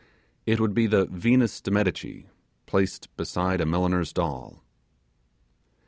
It would be the Venus de' Medici placed beside a milliner's doll.